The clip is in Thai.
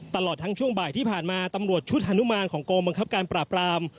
ตลอดทั้งช่วงบ่ายที่ผ่านมาตำรวจชุดฮานุมานของกองบังคับการปราบราม